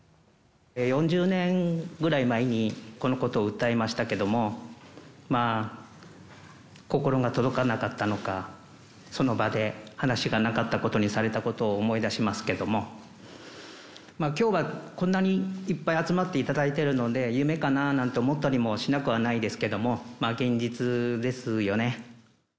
４０年ぐらい前に、このことを訴えましたけども、心が届かなかったのか、その場で話がなかったことにされたことを思い出しますけども、きょうはこんなにいっぱい集まっていただいているので、夢かななんて思ったりもしなくはないですけども、現実ですよね。